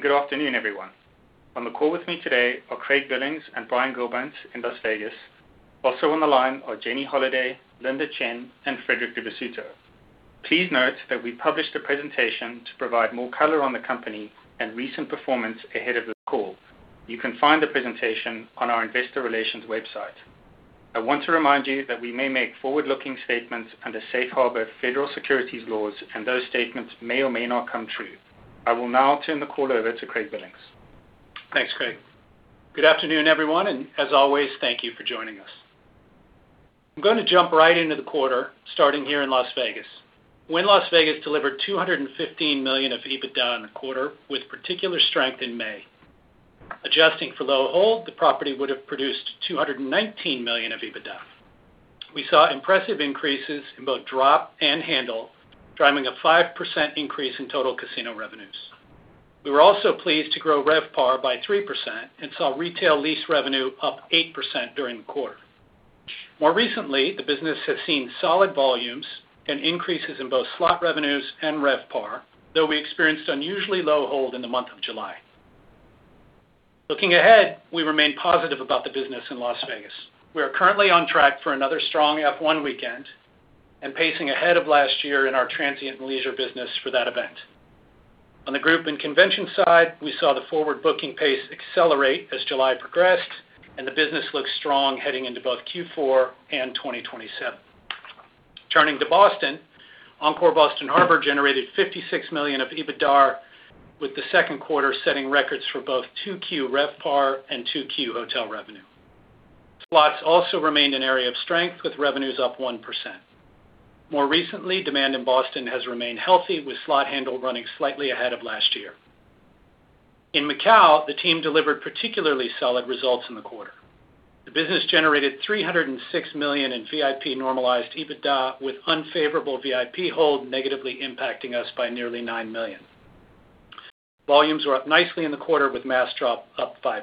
Good afternoon, everyone. On the call with me today are Craig Billings and Brian Gullbrants in Las Vegas. Also on the line are Julie Cameron-Doe, Linda Chen, and Frederic Luvisutto. Please note that we published a presentation to provide more color on the company and recent performance ahead of this call. You can find the presentation on our investor relations website. I want to remind you that we may make forward-looking statements under safe harbor federal securities laws, and those statements may or may not come true. I will now turn the call over to Craig Billings. Thanks, Craig. Good afternoon, everyone, and as always, thank you for joining us. I'm going to jump right into the quarter, starting here in Las Vegas. Wynn Las Vegas delivered $215 million of EBITDA in the quarter, with particular strength in May. Adjusting for the hold, the property would have produced $219 million of EBITDA. We saw impressive increases in both drop and handle, driving a 5% increase in total casino revenues. We were also pleased to grow RevPAR by 3% and saw retail lease revenue up 8% during the quarter. More recently, the business has seen solid volumes and increases in both slot revenues and RevPAR, though we experienced unusually low hold in the month of July. Looking ahead, we remain positive about the business in Las Vegas. We are currently on track for another strong F1 weekend and pacing ahead of last year in our transient and leisure business for that event. On the group and convention side, we saw the forward booking pace accelerate as July progressed, the business looks strong heading into both Q4 and 2027. Turning to Boston, Encore Boston Harbor generated $56 million of EBITDAR, with the second quarter setting records for both two Q RevPAR and two Q hotel revenue. Slots also remained an area of strength, with revenues up 1%. More recently, demand in Boston has remained healthy, with slot handle running slightly ahead of last year. In Macau, the team delivered particularly solid results in the quarter. The business generated $306 million in VIP normalized EBITDA, with unfavorable VIP hold negatively impacting us by nearly $9 million. Volumes were up nicely in the quarter, with mass drop up 5%.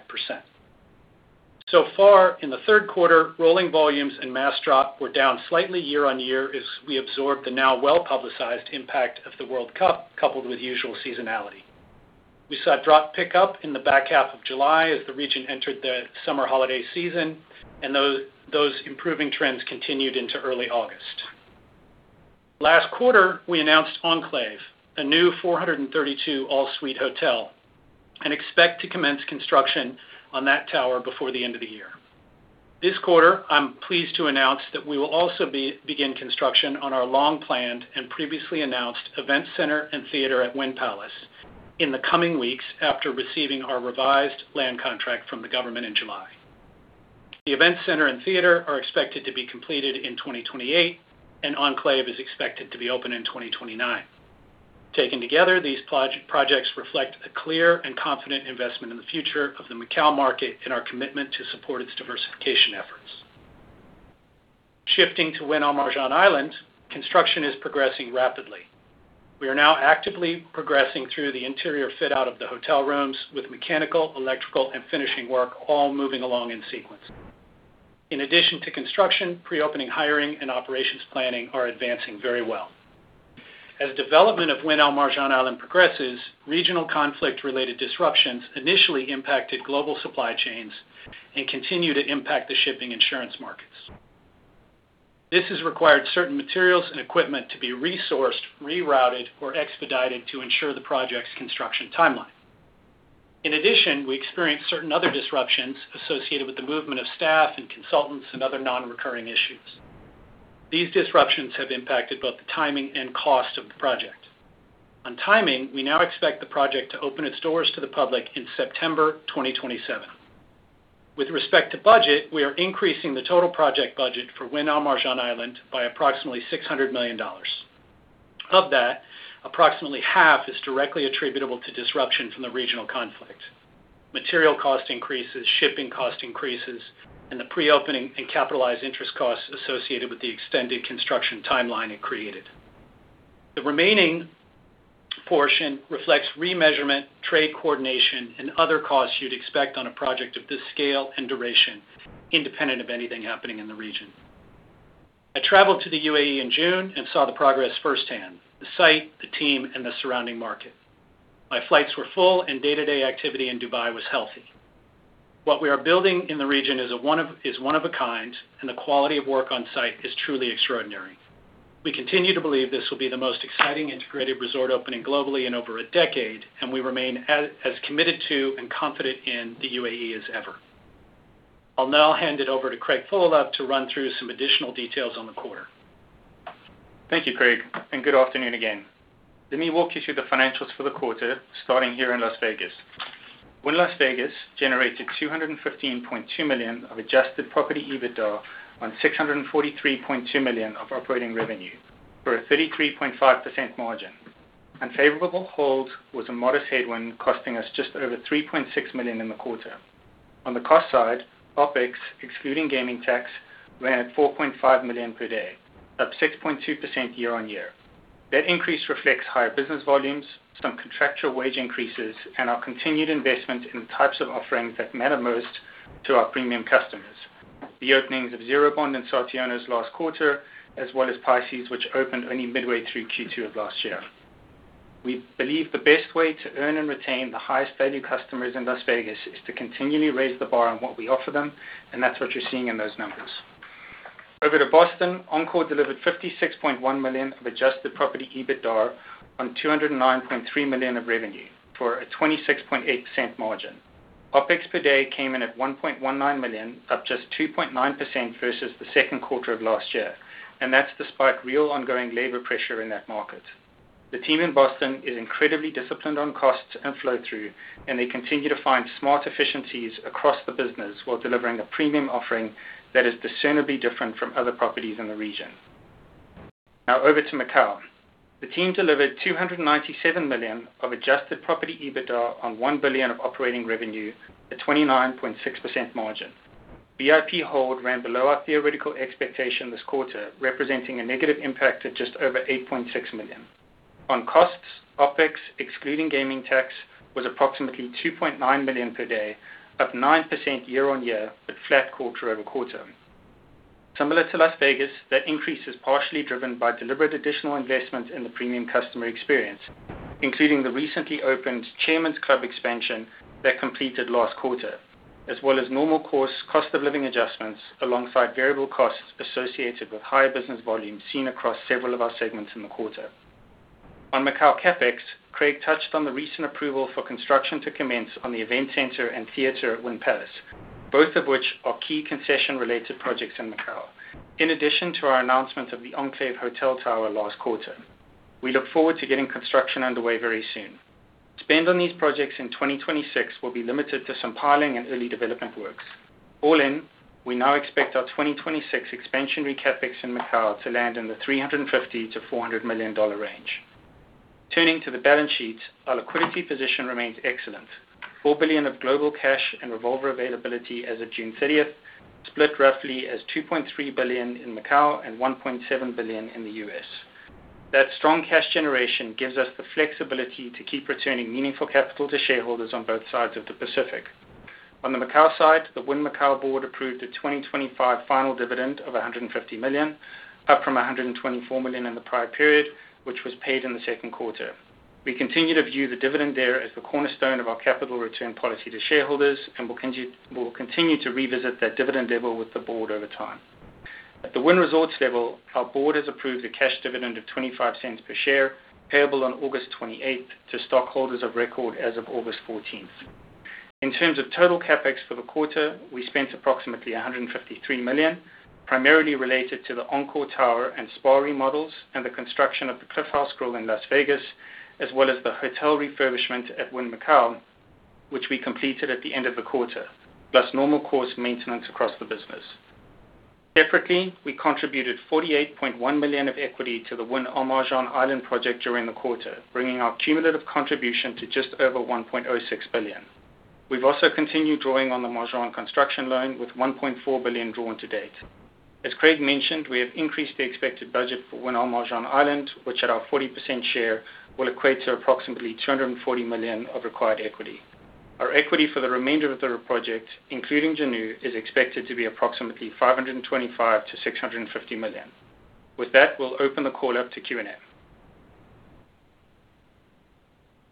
So far, in the third quarter, rolling volumes and mass drop were down slightly year-on-year as we absorbed the now well-publicized impact of the World Cup, coupled with usual seasonality. We saw drop pickup in the back half of July as the region entered the summer holiday season, and those improving trends continued into early August. Last quarter, we announced The Enclave, a new 432 all-suite hotel, and expect to commence construction on that tower before the end of the year. This quarter, I'm pleased to announce that we will also begin construction on our long-planned and previously announced event center and theater at Wynn Palace in the coming weeks after receiving our revised land contract from the government in July. The event center and theater are expected to be completed in 2028, and The Enclave is expected to be open in 2029. Taken together, these projects reflect a clear and confident investment in the future of the Macau market and our commitment to support its diversification efforts. Shifting to Wynn Al Marjan Island, construction is progressing rapidly. We are now actively progressing through the interior fit out of the hotel rooms with mechanical, electrical, and finishing work all moving along in sequence. In addition to construction, pre-opening hiring and operations planning are advancing very well. As development of Wynn Al Marjan Island progresses, regional conflict-related disruptions initially impacted global supply chains and continue to impact the shipping insurance markets. This has required certain materials and equipment to be resourced, rerouted, or expedited to ensure the project's construction timeline. In addition, we experienced certain other disruptions associated with the movement of staff and consultants and other non-recurring issues. These disruptions have impacted both the timing and cost of the project. On timing, we now expect the project to open its doors to the public in September 2027. With respect to budget, we are increasing the total project budget for Wynn Al Marjan Island by approximately $600 million. Of that, approximately half is directly attributable to disruption from the regional conflict. Material cost increases, shipping cost increases, and the pre-opening and capitalized interest costs associated with the extended construction timeline it created. The remaining portion reflects remeasurement, trade coordination, and other costs you'd expect on a project of this scale and duration, independent of anything happening in the region. I traveled to the UAE in June and saw the progress firsthand. The site, the team, and the surrounding market. My flights were full and day-to-day activity in Dubai was healthy. What we are building in the region is one of a kind, and the quality of work on site is truly extraordinary. We continue to believe this will be the most exciting integrated resort opening globally in over a decade, and we remain as committed to and confident in the UAE as ever. I'll now hand it over to Craig Fullalove to run through some additional details on the quarter. Thank you, Craig, and good afternoon again. Let me walk you through the financials for the quarter, starting here in Las Vegas. Wynn Las Vegas generated $215.2 million of adjusted property EBITDA on $643.2 million of operating revenue for a 33.5% margin. Unfavorable hold was a modest headwind, costing us just over $3.6 million in the quarter. On the cost side, OpEx, excluding gaming tax, ran at $4.5 million per day, up 6.2% year-on-year. That increase reflects higher business volumes, some contractual wage increases, and our continued investment in the types of offerings that matter most to our premium customers. The openings of Zero Bond and Casa Playa last quarter, as well as PISCES, which opened only midway through Q2 of last year. We believe the best way to earn and retain the highest value customers in Las Vegas is to continually raise the bar on what we offer them. That's what you're seeing in those numbers. Over to Boston, Encore delivered $56.1 million of adjusted property EBITDA on $209.3 million of revenue for a 26.8% margin. OpEx per day came in at $1.19 million, up just 2.9% versus the second quarter of last year. That's despite real ongoing labor pressure in that market. The team in Boston is incredibly disciplined on costs and flow-through, and they continue to find smart efficiencies across the business while delivering a premium offering that is discernibly different from other properties in the region. Now, over to Macau. The team delivered $297 million of adjusted property EBITDA on $1 billion of operating revenue, a 29.6% margin. VIP hold ran below our theoretical expectation this quarter, representing a negative impact of just over $8.6 million. On costs, OpEx, excluding gaming tax, was approximately $2.9 million per day, up 9% year-over-year, but flat quarter-over-quarter. Similar to Las Vegas, that increase is partially driven by deliberate additional investment in the premium customer experience, including the recently opened Chairman's Club expansion that completed last quarter, as well as normal course cost of living adjustments alongside variable costs associated with higher business volume seen across several of our segments in the quarter. On Macau CapEx, Craig touched on the recent approval for construction to commence on the event center and theater at Wynn Palace, both of which are key concession-related projects in Macau. In addition to our announcement of the Enclave Hotel Tower last quarter. We look forward to getting construction underway very soon. Spend on these projects in 2026 will be limited to some piling and early development works. All in, we now expect our 2026 expansionary CapEx in Macau to land in the $350 million-$400 million range. Turning to the balance sheet, our liquidity position remains excellent. $4 billion of global cash and revolver availability as of June 30, split roughly as $2.3 billion in Macau and $1.7 billion in the U.S. That strong cash generation gives us the flexibility to keep returning meaningful capital to shareholders on both sides of the Pacific. On the Macau side, the Wynn Macau board approved a 2025 final dividend of $150 million, up from $124 million in the prior period, which was paid in the second quarter. We continue to view the dividend there as the cornerstone of our capital return policy to shareholders and will continue to revisit that dividend level with the board over time. At the Wynn Resorts level, our board has approved a cash dividend of $0.25 per share, payable on August 28 to stockholders of record as of August 14. In terms of total CapEx for the quarter, we spent approximately $153 million, primarily related to the Encore Tower and spa remodels and the construction of the Cliff House Grill in Las Vegas, as well as the hotel refurbishment at Wynn Macau, which we completed at the end of the quarter, plus normal course maintenance across the business. Separately, we contributed $48.1 million of equity to the Wynn Al Marjan Island project during the quarter, bringing our cumulative contribution to just over $1.06 billion. We've also continued drawing on the Marjan construction loan with $1.4 billion drawn to date. As Craig mentioned, we have increased the expected budget for Wynn Al Marjan Island, which at our 40% share, will equate to approximately $240 million of required equity. Our equity for the remainder of the project, including Janu, is expected to be approximately $525 million-$650 million. With that, we'll open the call up to Q&A.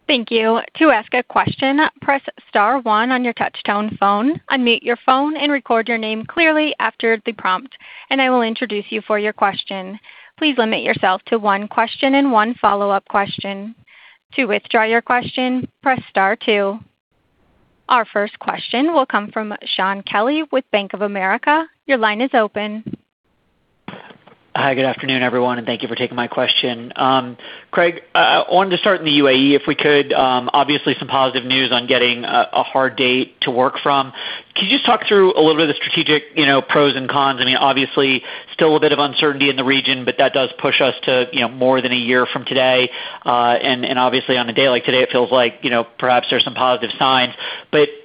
Thank you. To ask a question, press star one on your touchtone phone, unmute your phone, and record your name clearly after the prompt, and I will introduce you for your question. Please limit yourself to one question and one follow-up question. To withdraw your question, press star two. Our first question will come from Shaun Kelley with Bank of America. Your line is open. Hi, good afternoon, everyone, Thank you for taking my question. Craig, I wanted to start in the UAE, if we could. Obviously, some positive news on getting a hard date to work from. Could you just talk through a little bit of the strategic pros and cons? Obviously, still a bit of uncertainty in the region, but that does push us to more than a year from today. Obviously, on a day like today, it feels like perhaps there's some positive signs.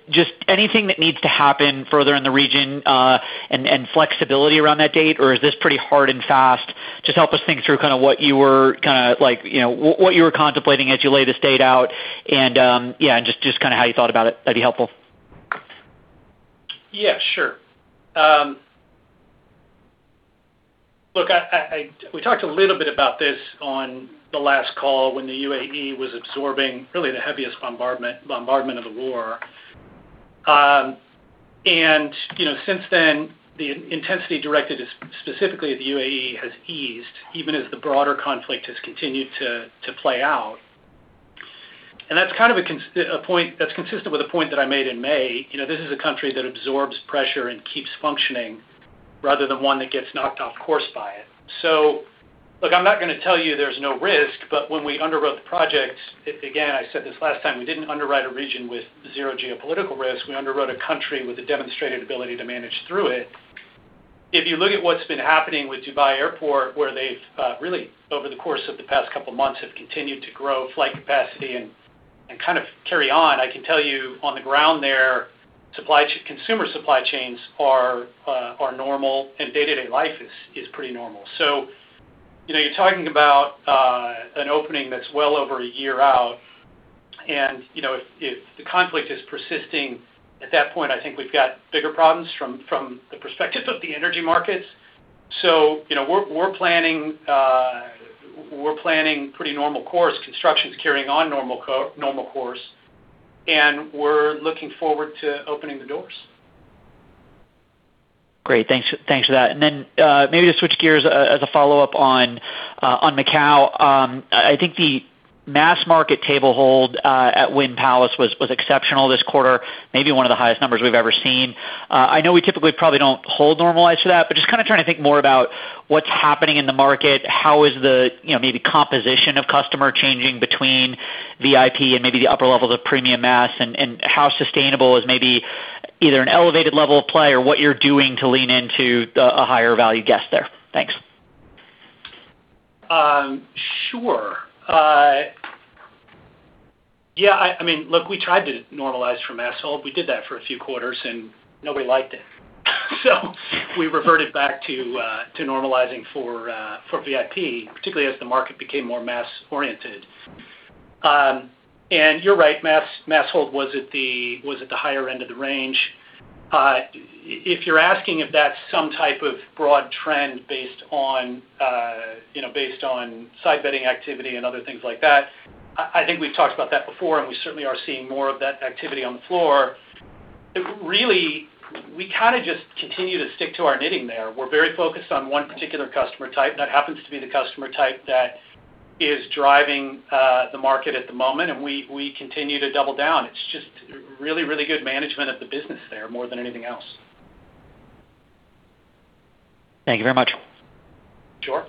Just anything that needs to happen further in the region, and flexibility around that date, or is this pretty hard and fast? Just help us think through what you were contemplating as you lay this date out and just how you thought about it. That'd be helpful. Sure. Look, we talked a little bit about this on the last call when the UAE was absorbing really the heaviest bombardment of the war. Since then, the intensity directed specifically at the UAE has eased, even as the broader conflict has continued to play out. That's consistent with the point that I made in May. This is a country that absorbs pressure and keeps functioning rather than one that gets knocked off course by it. Look, I'm not going to tell you there's no risk, when we underwrote the project, again, I said this last time, we didn't underwrite a region with zero geopolitical risk. We underwrote a country with a demonstrated ability to manage through it. If you look at what's been happening with Dubai Airport, where they've really, over the course of the past couple of months, have continued to grow flight capacity and kind of carry on. I can tell you on the ground there, consumer supply chains are normal and day-to-day life is pretty normal. You're talking about an opening that's well over a year out. If the conflict is persisting at that point, I think we've got bigger problems from the perspective of the energy markets. We're planning pretty normal course. Construction's carrying on normal course, we're looking forward to opening the doors. Great. Thanks for that. Then maybe to switch gears as a follow-up on Macau. I think the mass market table hold at Wynn Palace was exceptional this quarter, maybe one of the highest numbers we've ever seen. I know we typically probably don't hold normalize to that, but just kind of trying to think more about what's happening in the market. How is the maybe composition of customer changing between VIP and maybe the upper levels of premium mass and how sustainable is maybe either an elevated level of play or what you're doing to lean into a higher value guest there? Thanks. Sure. Yeah, look, we tried to normalize for mass hold. We did that for a few quarters and nobody liked it. We reverted back to normalizing for VIP, particularly as the market became more mass-oriented. You're right, mass hold was at the higher end of the range. If you're asking if that's some type of broad trend based on side betting activity and other things like that, I think we've talked about that before, we certainly are seeing more of that activity on the floor. Really, we kind of just continue to stick to our knitting there. We're very focused on one particular customer type, and that happens to be the customer type that is driving the market at the moment, and we continue to double down. It's just really good management of the business there more than anything else. Thank you very much. Sure.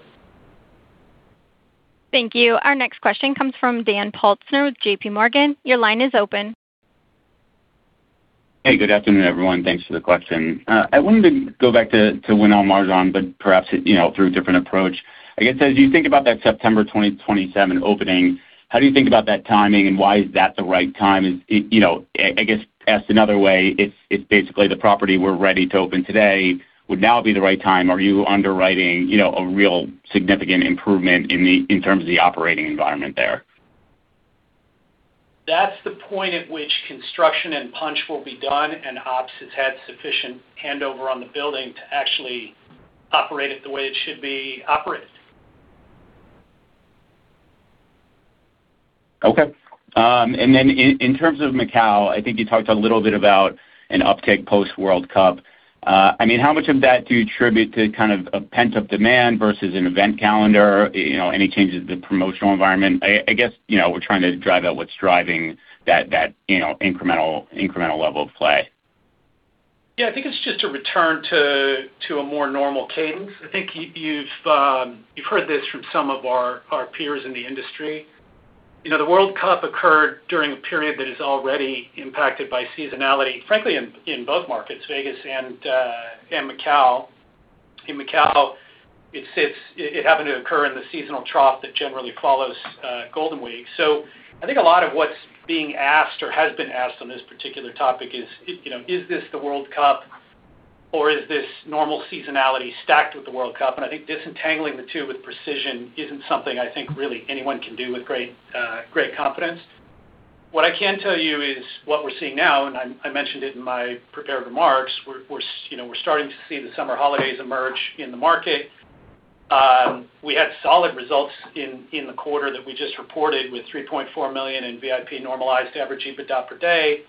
Thank you. Our next question comes from Dan Politzer with JPMorgan. Your line is open. Hey, good afternoon, everyone. Thanks for the question. I wanted to go back to Wynn Al Marjan, but perhaps through a different approach. I guess, as you think about that September 2027 opening, how do you think about that timing, and why is that the right time? I guess, asked another way, if basically the property were ready to open today, would now be the right time? Are you underwriting a real significant improvement in terms of the operating environment there? That's the point at which construction and punch will be done and ops has had sufficient handover on the building to actually operate it the way it should be operated. Okay. In terms of Macau, I think you talked a little bit about an uptick post-World Cup. How much of that do you attribute to kind of a pent-up demand versus an event calendar? Any changes to the promotional environment? I guess, we're trying to drive out what's driving that incremental level of play. Yeah, I think it's just a return to a more normal cadence. I think you've heard this from some of our peers in the industry. The World Cup occurred during a period that is already impacted by seasonality, frankly, in both markets, Vegas and Macau. In Macau, it happened to occur in the seasonal trough that generally follows Golden Week. I think a lot of what's being asked or has been asked on this particular topic is this the World Cup or is this normal seasonality stacked with the World Cup? I think disentangling the two with precision isn't something I think really anyone can do with great confidence. What I can tell you is what we're seeing now, and I mentioned it in my prepared remarks, we're starting to see the summer holidays emerge in the market. We had solid results in the quarter that we just reported with $3.4 million in VIP normalized average EBITDA per day,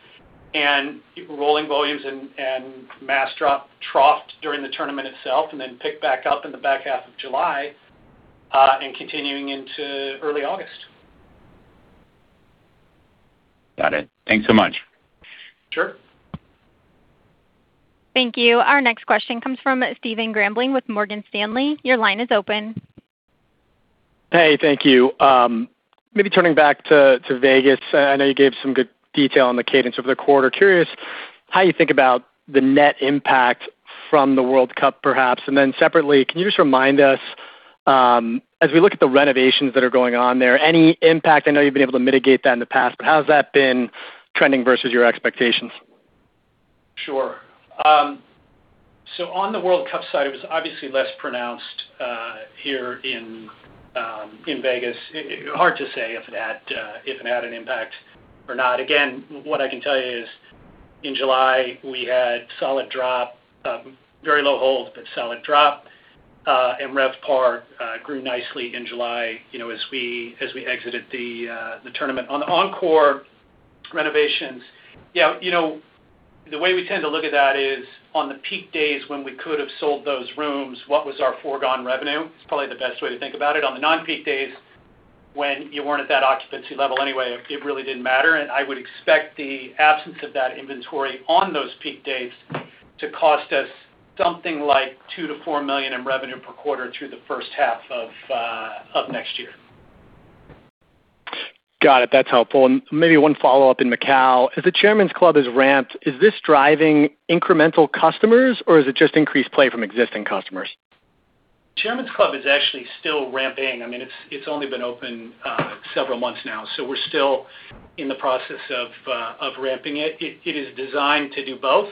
rolling volumes and mass trough during the tournament itself picked back up in the back half of July, continuing into early August. Got it. Thanks so much. Sure. Thank you. Our next question comes from Stephen Grambling with Morgan Stanley. Your line is open. Hey, thank you. Maybe turning back to Vegas. I know you gave some good detail on the cadence of the quarter. Curious how you think about the net impact from the World Cup, perhaps. Separately, can you just remind us, as we look at the renovations that are going on there, any impact? I know you've been able to mitigate that in the past, but how has that been trending versus your expectations? Sure. On the World Cup side, it was obviously less pronounced here in Vegas. Hard to say if it had an impact or not. Again, what I can tell you is in July, we had solid drop, very low hold, but solid drop. RevPAR grew nicely in July as we exited the tournament. On the Encore renovations, the way we tend to look at that is on the peak days when we could have sold those rooms, what was our foregone revenue? It's probably the best way to think about it. On the non-peak days when you weren't at that occupancy level anyway, it really didn't matter. I would expect the absence of that inventory on those peak dates to cost us something like $2 million-$4 million in revenue per quarter through the first half of next year. Got it. That's helpful. Maybe one follow-up in Macau. As the Chairman's Club has ramped, is this driving incremental customers, or is it just increased play from existing customers? Chairman's Club is actually still ramping. It's only been open several months now, so we're still in the process of ramping it. It is designed to do both.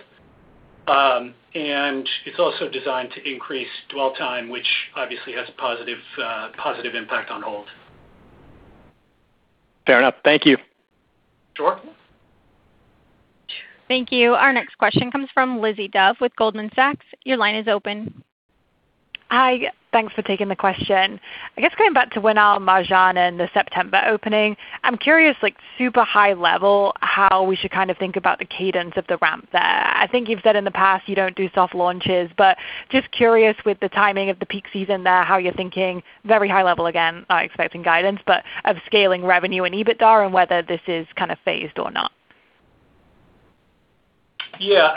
It's also designed to increase dwell time, which obviously has a positive impact on hold. Fair enough. Thank you. Sure. Thank you. Our next question comes from Lizzie Dove with Goldman Sachs. Your line is open. Hi. Thanks for taking the question. I guess going back to Wynn Al Marjan and the September opening, I'm curious, super high level, how we should think about the cadence of the ramp there. I think you've said in the past you don't do soft launches, but just curious with the timing of the peak season there, how you're thinking, very high level again, not expecting guidance, but of scaling revenue and EBITDA and whether this is phased or not. Yeah.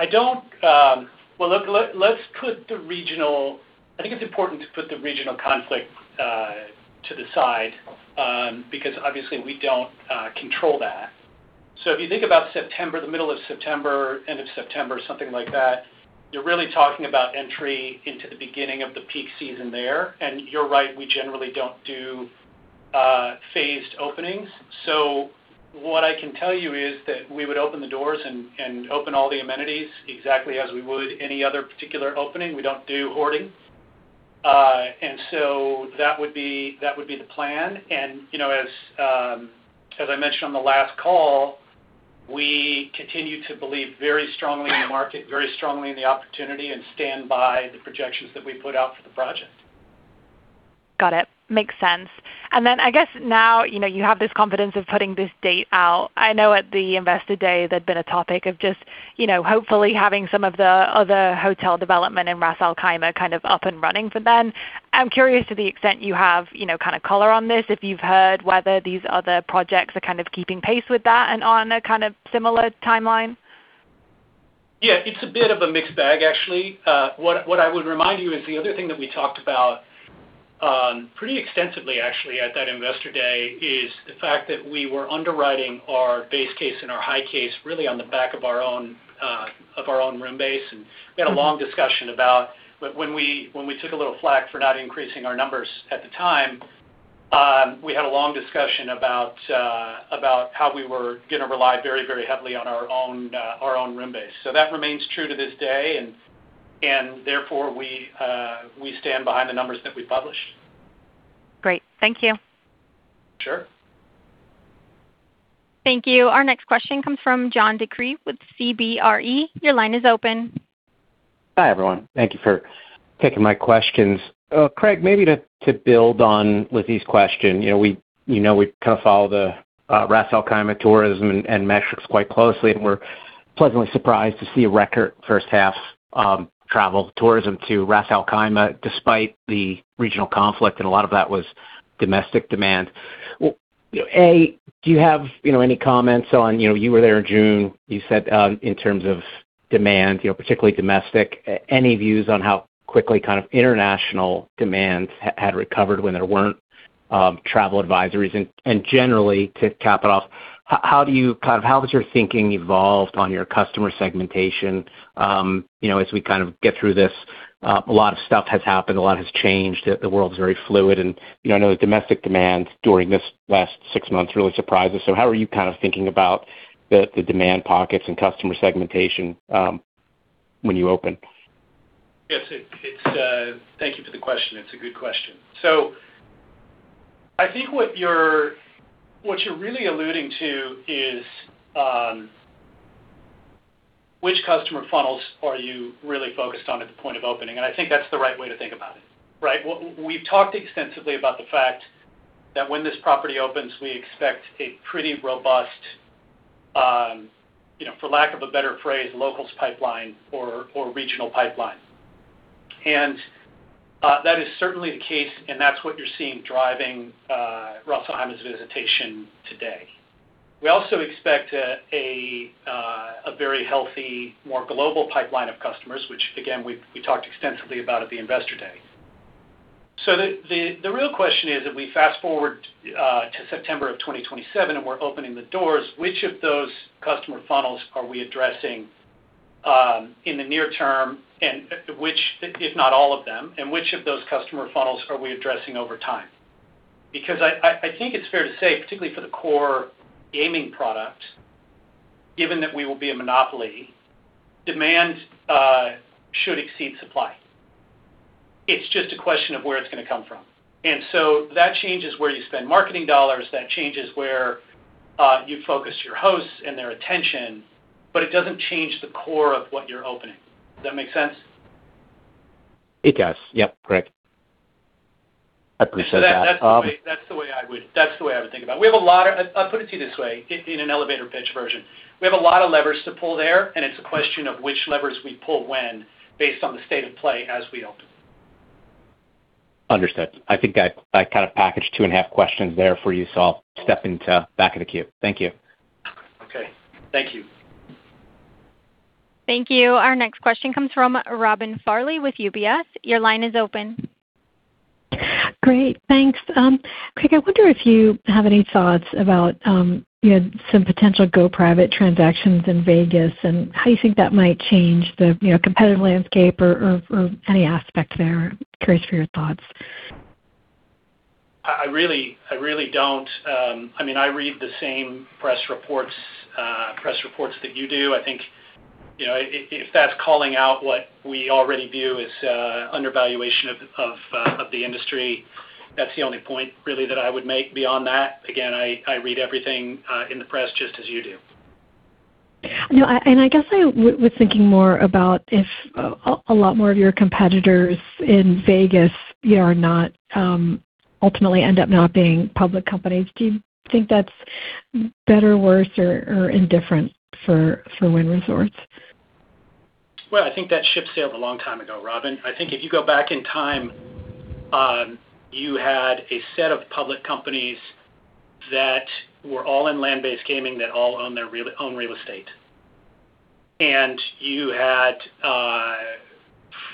I think it's important to put the regional conflict to the side, because obviously we don't control that. If you think about the middle of September, end of September, something like that, you're really talking about entry into the beginning of the peak season there. You're right, we generally don't do phased openings. What I can tell you is that we would open the doors and open all the amenities exactly as we would any other particular opening. We don't do hoarding. That would be the plan. As I mentioned on the last call, we continue to believe very strongly in the market, very strongly in the opportunity, and stand by the projections that we put out for the project. Got it. Makes sense. I guess now, you have this confidence of putting this date out. I know at the Investor Day, there'd been a topic of just hopefully having some of the other hotel development in Ras Al Khaimah kind of up and running for then. I'm curious to the extent you have color on this, if you've heard whether these other projects are keeping pace with that and on a similar timeline. Yeah, it's a bit of a mixed bag, actually. What I would remind you is the other thing that we talked about, pretty extensively actually, at that Investor Day, is the fact that we were underwriting our base case and our high case really on the back of our own room base. We had a long discussion about when we took a little flak for not increasing our numbers at the time, we had a long discussion about how we were going to rely very heavily on our own room base. That remains true to this day, and therefore we stand behind the numbers that we published. Great. Thank you. Sure. Thank you. Our next question comes from John DeCree with CBRE. Your line is open. Hi, everyone. Thank you for taking my questions. Craig, maybe to build on Lizzie's question. We follow the Ras Al Khaimah tourism and metrics quite closely, and we're pleasantly surprised to see a record first half travel tourism to Ras Al Khaimah despite the regional conflict, and a lot of that was domestic demand. A, do you have any comments on, you were there in June, you said, in terms of demand, particularly domestic. Any views on how quickly international demands had recovered when there weren't travel advisories? Generally, to cap it off, how has your thinking evolved on your customer segmentation as we get through this? A lot of stuff has happened, a lot has changed. The world's very fluid, and I know the domestic demands during this last six months really surprised us. How are you thinking about the demand pockets and customer segmentation when you open? Yes. Thank you for the question. It's a good question. I think what you're really alluding to is which customer funnels are you really focused on at the point of opening? I think that's the right way to think about it, right? We've talked extensively about the fact that when this property opens, we expect a pretty robust, for lack of a better phrase, locals pipeline or regional pipeline. That is certainly the case, and that's what you're seeing driving Ras Al Khaimah's visitation today. We also expect a very healthy, more global pipeline of customers, which again, we talked extensively about at the Investor Day. The real question is, if we fast-forward to September of 2027 and we're opening the doors, which of those customer funnels are we addressing in the near term, if not all of them, and which of those customer funnels are we addressing over time? I think it's fair to say, particularly for the core gaming product, given that we will be a monopoly, demand should exceed supply. It's just a question of where it's going to come from. That changes where you spend marketing dollars, that changes where you focus your hosts and their attention, but it doesn't change the core of what you're opening. Does that make sense? It does. Yep, correct. I appreciate that. That's the way I would think about it. I'll put it to you this way, in an elevator pitch version. We have a lot of levers to pull there, and it's a question of which levers we pull when based on the state of play as we open. Understood. I think I packaged two and a half questions there for you, so I'll step into back of the queue. Thank you. Okay. Thank you. Thank you. Our next question comes from Robin Farley with UBS. Your line is open. Great. Thanks. Craig, I wonder if you have any thoughts about some potential go-private transactions in Vegas and how you think that might change the competitive landscape or any aspect there. Curious for your thoughts. I really don't. I read the same press reports that you do. I think, if that's calling out what we already view as undervaluation of the industry, that's the only point, really, that I would make. Beyond that, again, I read everything in the press just as you do. No, I guess I was thinking more about if a lot more of your competitors in Vegas ultimately end up not being public companies. Do you think that's better, worse, or indifferent for Wynn Resorts? Well, I think that ship sailed a long time ago, Robin. I think if you go back in time, you had a set of public companies that were all in land-based gaming that all own their own real estate. You had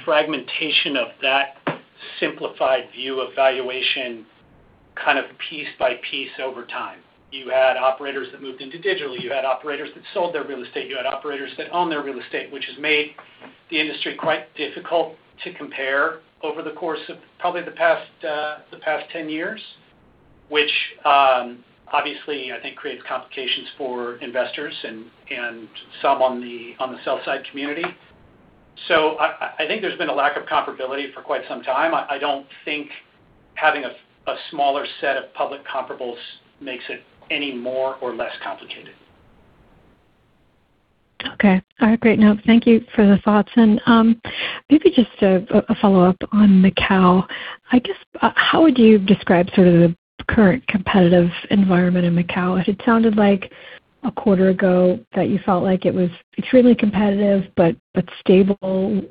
fragmentation of that simplified view of valuation kind of piece by piece over time. You had operators that moved into digital. You had operators that sold their real estate. You had operators that own their real estate, which has made the industry quite difficult to compare over the course of probably the past 10 years, which obviously, I think creates complications for investors and some on the sell side community. I think there's been a lack of comparability for quite some time. I don't think having a smaller set of public comparables makes it any more or less complicated. Okay. All right, great. No, thank you for the thoughts. Maybe just a follow-up on Macau. I guess, how would you describe sort of the current competitive environment in Macau? It sounded like a quarter ago that you felt like it was extremely competitive, but stable.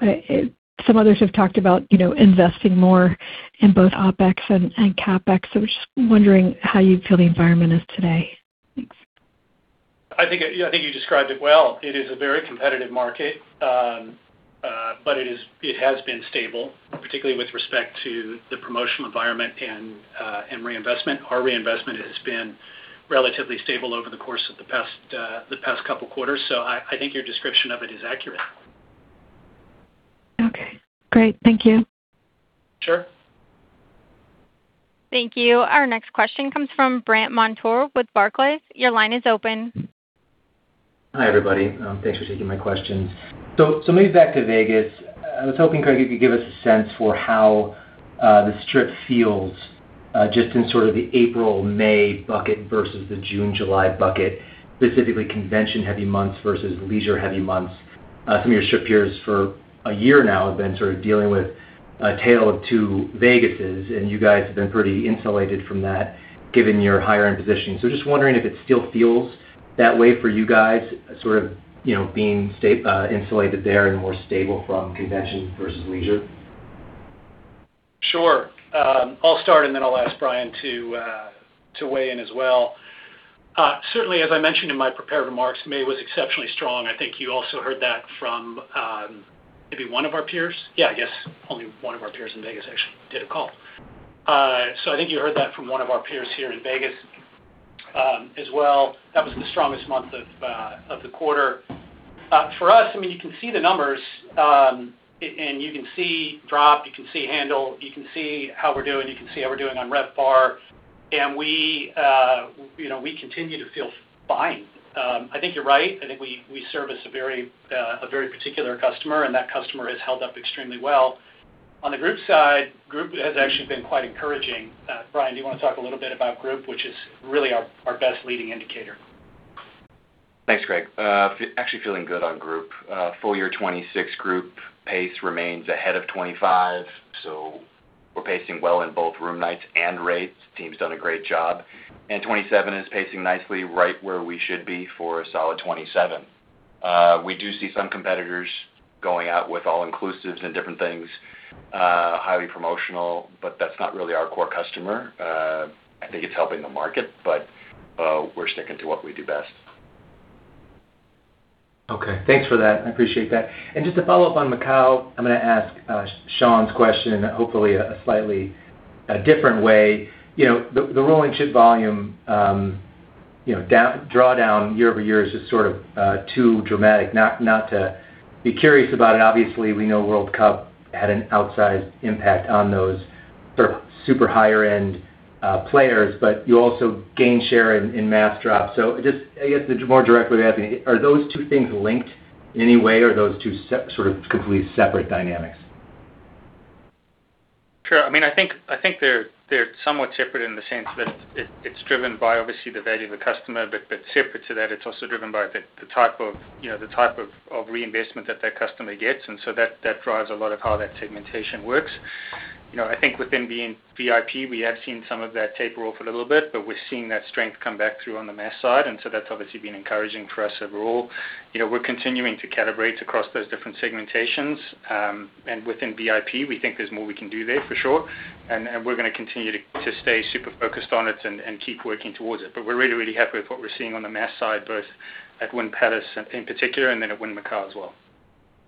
Some others have talked about investing more in both OpEx and CapEx. I'm just wondering how you feel the environment is today? I think you described it well. It is a very competitive market. It has been stable, particularly with respect to the promotional environment and reinvestment. Our reinvestment has been relatively stable over the course of the past couple quarters. I think your description of it is accurate. Okay, great. Thank you. Sure. Thank you. Our next question comes from Brandt Montour with Barclays. Your line is open. Hi, everybody. Thanks for taking my questions. Maybe back to Vegas. I was hoping, Craig, you could give us a sense for how the Strip feels, just in sort of the April-May bucket versus the June-July bucket, specifically convention-heavy months versus leisure-heavy months. Some of your Strip peers for a year now have been sort of dealing with a tale of two Vegases. You guys have been pretty insulated from that, given your higher-end position. Just wondering if it still feels that way for you guys, sort of being insulated there and more stable from convention versus leisure? Sure. I'll start. Then I'll ask Brian to weigh in as well. Certainly, as I mentioned in my prepared remarks, May was exceptionally strong. I think you also heard that from maybe one of our peers. Yeah, I guess only one of our peers in Vegas actually did a call. I think you heard that from one of our peers here in Vegas as well. That was the strongest month of the quarter. For us, you can see the numbers. You can see drop. You can see handle. You can see how we're doing. You can see how we're doing on RevPAR. We continue to feel fine. I think you're right. I think we service a very particular customer. That customer has held up extremely well. On the group side, group has actually been quite encouraging. Brian, do you want to talk a little bit about group, which is really our best leading indicator? Thanks, Craig. Actually feeling good on group. Full year 2026 group pace remains ahead of 2025, so we're pacing well in both room nights and rates. Team's done a great job. 2027 is pacing nicely right where we should be for a solid 2027. We do see some competitors going out with all-inclusives and different things, highly promotional, but that's not really our core customer. I think it's helping the market, but we're sticking to what we do best. Okay. Thanks for that. I appreciate that. Just to follow up on Macau, I'm going to ask Shaun's question in hopefully a slightly different way. The rolling chip volume drawdown year-over-year is just sort of too dramatic not to be curious about it. Obviously, we know World Cup had an outsized impact on those sort of super higher-end players, but you also gained share in mass drop. Just, I guess, more directly asking, are those two things linked in any way, or are those two sort of completely separate dynamics? Sure. I think they're somewhat separate in the sense that it's driven by, obviously, the value of the customer. Separate to that, it's also driven by the type of reinvestment that that customer gets, That drives a lot of how that segmentation works. I think within VIP, we have seen some of that taper off a little bit, We're seeing that strength come back through on the mass side, That's obviously been encouraging for us overall. We're continuing to calibrate across those different segmentations. Within VIP, we think there's more we can do there for sure, We're going to continue to stay super focused on it and keep working towards it. We're really, really happy with what we're seeing on the mass side, both at Wynn Palace in particular, and then at Wynn Macau as well.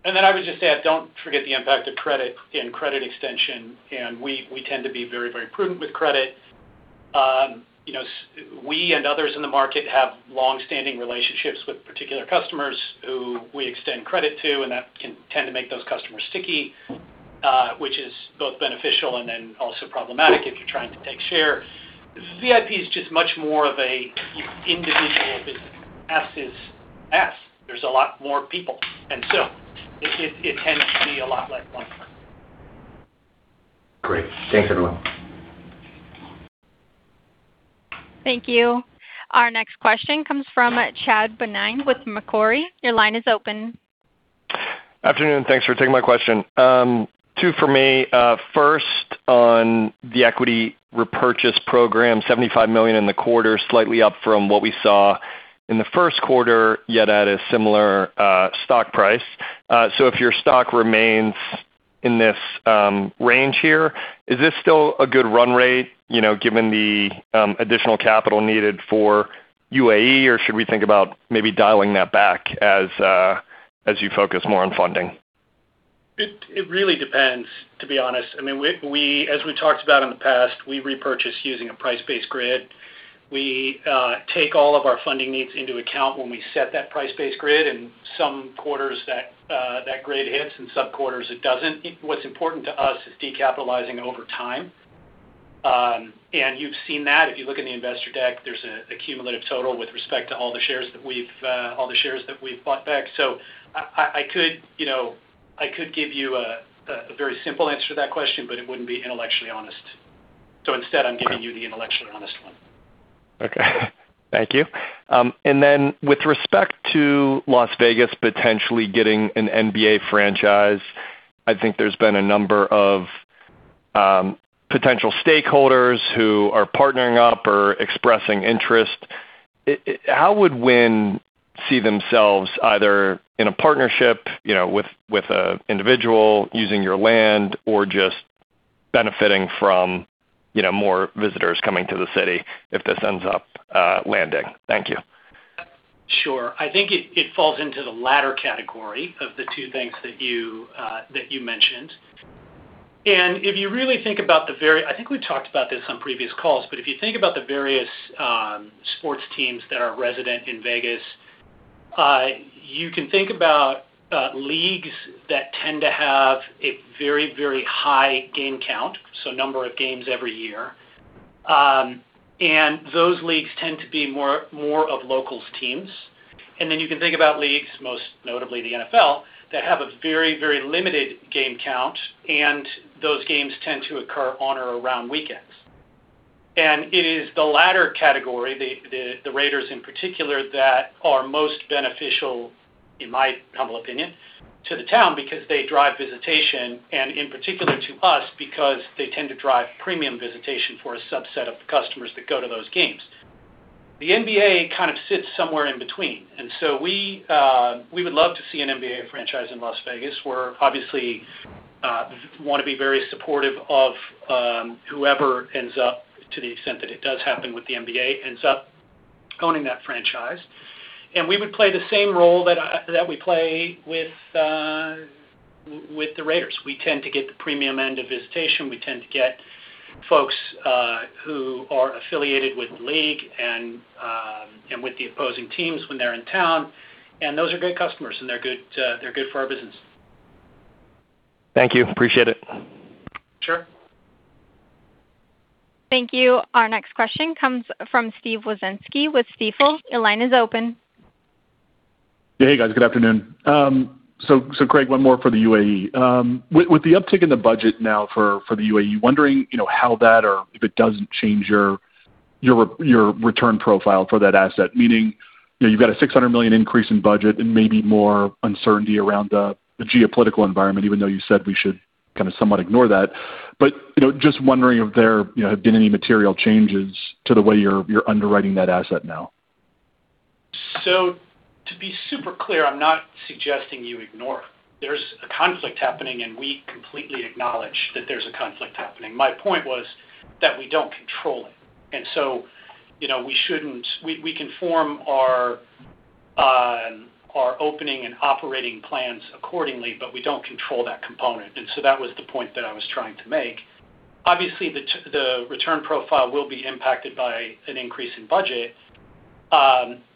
I would just add, don't forget the impact of credit and credit extension, we tend to be very, very prudent with credit. Okay. We and others in the market have longstanding relationships with particular customers who we extend credit to, that can tend to make those customers sticky, which is both beneficial and then also problematic if you're trying to take share. VIP is just much more of a individual business. Mass is mass. There's a lot more people, it tends to be a lot less lumpy. Great. Thanks, everyone. Thank you. Our next question comes from Chad Beynon with Macquarie. Your line is open. Afternoon, thanks for taking my question. Two for me. First, on the equity repurchase program, $75 million in the quarter, slightly up from what we saw in the first quarter, yet at a similar stock price. If your stock remains in this range here, is this still a good run rate given the additional capital needed for UAE, or should we think about maybe dialing that back as you focus more on funding? It really depends, to be honest. As we talked about in the past, we repurchase using a price-based grid. We take all of our funding needs into account when we set that price-based grid, some quarters that grid hits, and some quarters it doesn't. What's important to us is decapitalizing over time. You've seen that. If you look in the investor deck, there's a cumulative total with respect to all the shares that we've bought back. I could give you a very simple answer to that question, but it wouldn't be intellectually honest. Instead, I'm giving you the intellectually honest one. Okay. Thank you. With respect to Las Vegas potentially getting an NBA franchise, I think there's been a number of potential stakeholders who are partnering up or expressing interest. How would Wynn see themselves either in a partnership with an individual using your land or just benefiting from more visitors coming to the city if this ends up landing? Thank you. Sure. I think it falls into the latter category of the two things that you mentioned. I think we've talked about this on previous calls, if you think about the various sports teams that are resident in Vegas, you can think about leagues that tend to have a very, very high game count, so number of games every year. Those leagues tend to be more of locals teams. Then you can think about leagues, most notably the NFL, that have a very, very limited game count, and those games tend to occur on or around weekends. It is the latter category, the Raiders in particular, that are most beneficial, in my humble opinion, to the town because they drive visitation, and in particular to us, because they tend to drive premium visitation for a subset of the customers that go to those games. The NBA kind of sits somewhere in between. We would love to see an NBA franchise in Las Vegas. We obviously want to be very supportive of whoever ends up, to the extent that it does happen with the NBA, ends up owning that franchise. We would play the same role that we play with the Raiders. We tend to get the premium end of visitation. We tend to get folks who are affiliated with the league and with the opposing teams when they're in town, and those are great customers, and they're good for our business. Thank you. Appreciate it. Sure. Thank you. Our next question comes from Steven Wieczynski with Stifel. Your line is open. Yeah, hey, guys. Good afternoon. Craig, one more for the UAE. With the uptick in the budget now for the UAE, wondering how that or if it does change your return profile for that asset, meaning you've got a $600 million increase in budget and maybe more uncertainty around the geopolitical environment, even though you said we should kind of somewhat ignore that. Just wondering if there have been any material changes to the way you're underwriting that asset now. To be super clear, I'm not suggesting you ignore. There's a conflict happening, and we completely acknowledge that there's a conflict happening. My point was that we don't control it, we can form our opening and operating plans accordingly, but we don't control that component. That was the point that I was trying to make. Obviously, the return profile will be impacted by an increase in budget.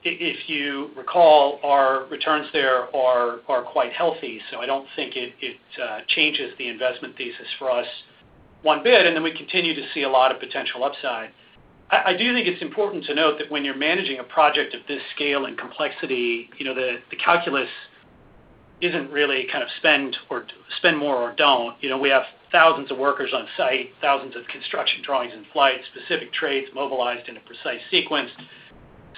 If you recall, our returns there are quite healthy, I don't think it changes the investment thesis for us one bit, we continue to see a lot of potential upside. I do think it's important to note that when you're managing a project of this scale and complexity, the calculus isn't really kind of spend more or don't. We have thousands of workers on site, thousands of construction drawings in flight, specific trades mobilized in a precise sequence.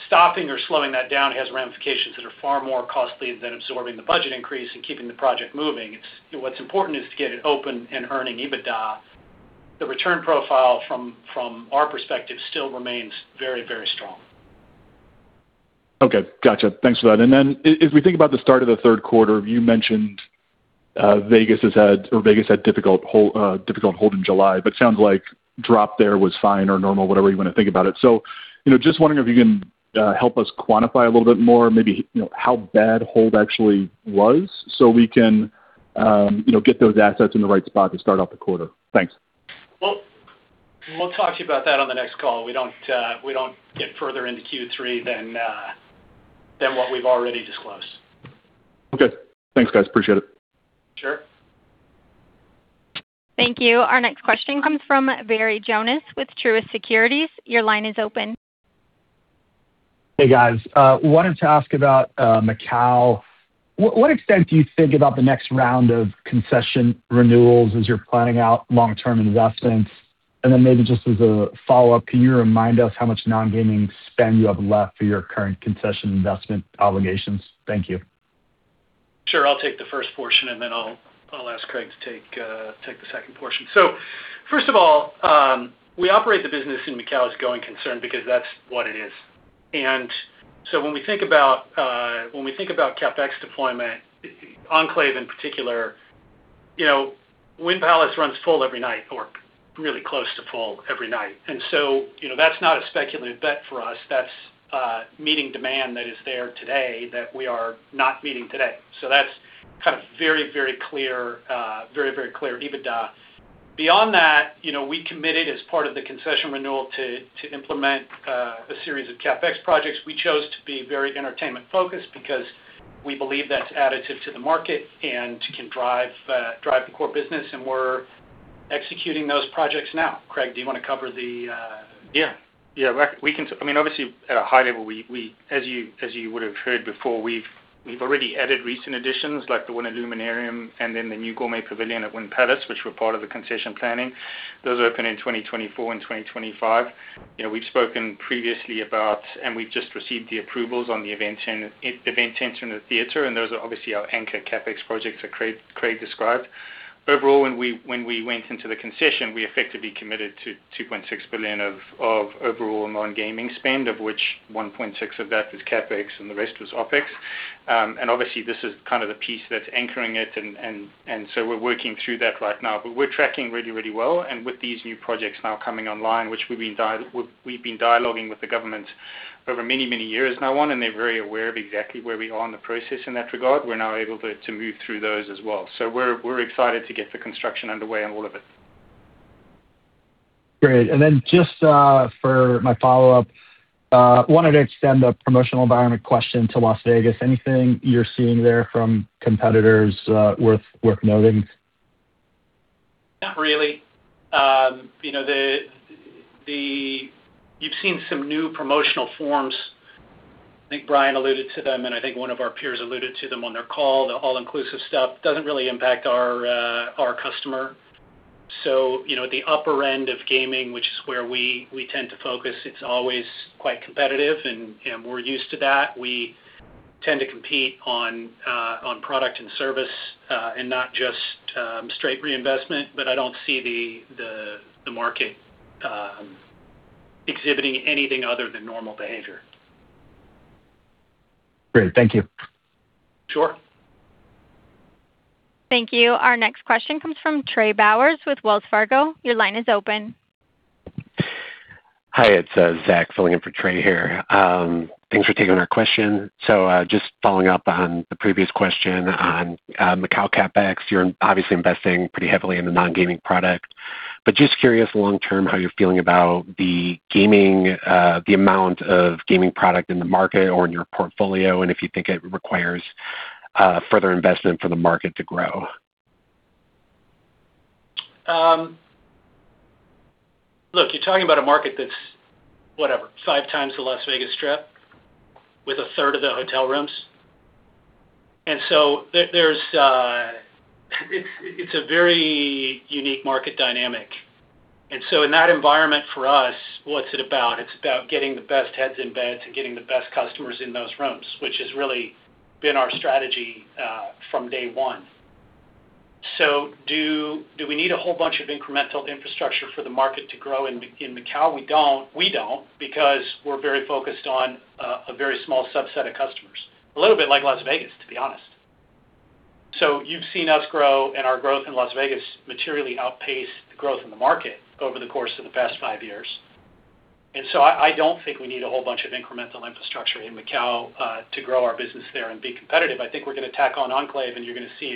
Stopping or slowing that down has ramifications that are far more costly than absorbing the budget increase and keeping the project moving. What's important is to get it open and earning EBITDA. The return profile from our perspective still remains very, very strong. Got you. Thanks for that. As we think about the start of the third quarter, you mentioned Vegas had difficult hold in July, sounds like drop there was fine or normal, whatever you want to think about it. Just wondering if you can help us quantify a little bit more, maybe how bad hold actually was we can get those assets in the right spot to start off the quarter. Thanks. We'll talk to you about that on the next call. We don't get further into Q3 than what we've already disclosed. Okay. Thanks, guys. Appreciate it. Sure. Thank you. Our next question comes from Barry Jonas with Truist Securities. Your line is open. Hey, guys. Wanted to ask about Macau. What extent do you think about the next round of concession renewals as you're planning out long-term investments? Maybe just as a follow-up, can you remind us how much non-gaming spend you have left for your current concession investment obligations? Thank you. Sure. I'll take the first portion, and then I'll ask Craig to take the second portion. First of all, we operate the business in Macau as a going concern because that's what it is. When we think about CapEx deployment, Enclave in particular, Wynn Palace runs full every night or really close to full every night. That's not a speculative bet for us. That's meeting demand that is there today that we are not meeting today. That's kind of very, very clear EBITDA. Beyond that, we committed as part of the concession renewal to implement a series of CapEx projects. We chose to be very entertainment-focused because we believe that's additive to the market and can drive the core business, and we're executing those projects now. Craig, do you want to cover the- Yeah. Obviously, at a high level, as you would've heard before, we've already added recent additions like the Winter Luminarium and the new Gourmet Pavilion at Wynn Palace, which were part of the concession planning. Those open in 2024 and 2025. We've spoken previously about, we've just received the approvals on the event center and the theater, and those are obviously our anchor CapEx projects that Craig described. Overall, when we went into the concession, we effectively committed to $2.6 billion of overall non-gaming spend, of which $1.6 billion of that was CapEx and the rest was OpEx. Obviously, this is kind of the piece that's anchoring it, we're working through that right now. We're tracking really, really well. With these new projects now coming online, which we've been dialoguing with the government over many, many years now on, and they're very aware of exactly where we are in the process in that regard. We're now able to move through those as well. We're excited to get the construction underway on all of it. Great. Just for my follow-up, wanted to extend the promotional environment question to Las Vegas. Anything you're seeing there from competitors worth noting? Not really. You've seen some new promotional forms. I think Brian alluded to them, and I think one of our peers alluded to them on their call. The all-inclusive stuff doesn't really impact our customer. At the upper end of gaming, which is where we tend to focus, it's always quite competitive, and we're used to that. We tend to compete on product and service, and not just straight reinvestment, but I don't see the market exhibiting anything other than normal behavior. Great. Thank you. Sure. Thank you. Our next question comes from Trey Bowers with Wells Fargo. Your line is open. Hi, it's Zach filling in for Trey here. Thanks for taking our question. Just following up on the previous question on Macau CapEx. You're obviously investing pretty heavily in the non-gaming product, but just curious long-term how you're feeling about the amount of gaming product in the market or in your portfolio, and if you think it requires further investment for the market to grow. Look, you're talking about a market that's, whatever, five times the Las Vegas Strip with a third of the hotel rooms. It's a very unique market dynamic. In that environment for us, what's it about? It's about getting the best heads in beds and getting the best customers in those rooms, which has really been our strategy from day one. Do we need a whole bunch of incremental infrastructure for the market to grow in Macau? We don't because we're very focused on a very small subset of customers. A little bit like Las Vegas, to be honest. You've seen us grow and our growth in Las Vegas materially outpace the growth in the market over the course of the past five years. I don't think we need a whole bunch of incremental infrastructure in Macau to grow our business there and be competitive. I think we're going to tack on Enclave, and you're going to see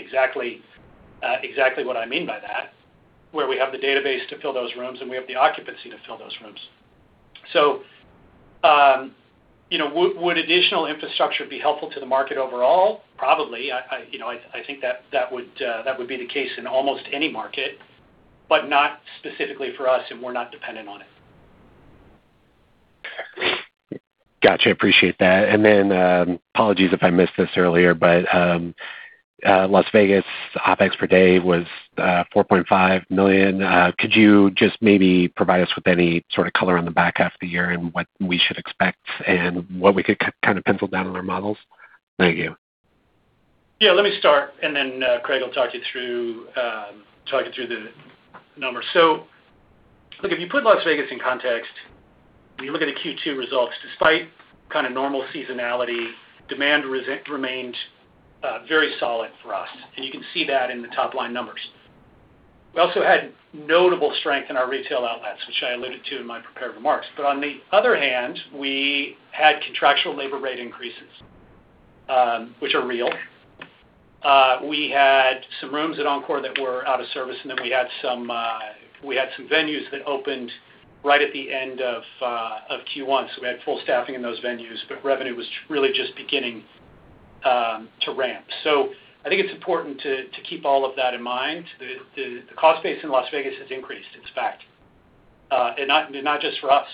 exactly what I mean by that, where we have the database to fill those rooms, and we have the occupancy to fill those rooms. Would additional infrastructure be helpful to the market overall? Probably. I think that would be the case in almost any market, but not specifically for us, and we're not dependent on it. Got you. Appreciate that. Apologies if I missed this earlier, Las Vegas OpEx per day was $4.5 million. Could you just maybe provide us with any sort of color on the back half of the year and what we should expect and what we could kind of pencil down on our models? Thank you. Let me start, Craig will talk you through the numbers. Look, if you put Las Vegas in context, when you look at the Q2 results, despite kind of normal seasonality, demand remained very solid for us. You can see that in the top-line numbers. We also had notable strength in our retail outlets, which I alluded to in my prepared remarks. On the other hand, we had contractual labor rate increases, which are real. We had some rooms at Encore that were out of service, we had some venues that opened right at the end of Q1. We had full staffing in those venues, but revenue was really just beginning to ramp. I think it's important to keep all of that in mind. The cost base in Las Vegas has increased, it's a fact. Not just for us,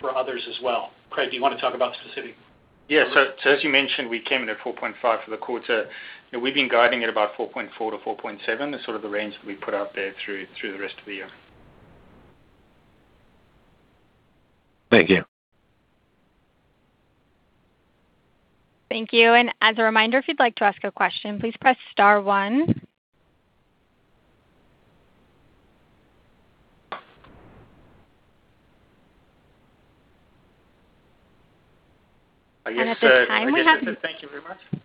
for others as well. Craig, do you want to talk about specific? Yeah. As you mentioned, we came in at 4.5 for the quarter, and we've been guiding at about 4.4-4.7 as sort of the range that we put out there through the rest of the year. Thank you. Thank you. As a reminder, if you'd like to ask a question, please press star one. I guess, thank you very much. Do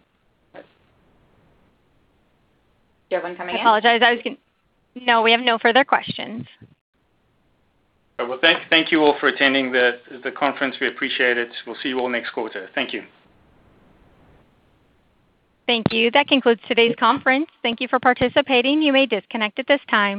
you have one coming in? I apologize. No, we have no further questions. Well, thank you all for attending the conference. We appreciate it. We'll see you all next quarter. Thank you. Thank you. That concludes today's conference. Thank you for participating. You may disconnect at this time.